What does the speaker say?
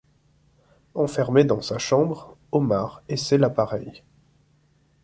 Enfermé dans sa chambre, Omar essaie l'appareil.